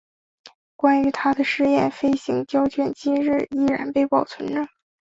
关于他的试验飞行胶卷今日依然被保存着。